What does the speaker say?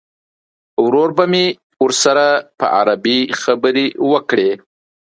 ورور به مې ورسره په عربي خبرې وکړي.